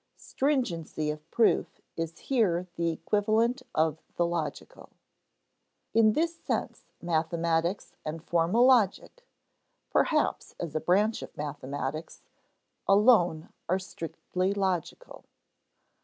Stringency of proof is here the equivalent of the logical. In this sense mathematics and formal logic (perhaps as a branch of mathematics) alone are strictly logical.